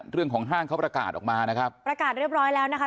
ห้างเขาประกาศออกมานะครับประกาศเรียบร้อยแล้วนะคะ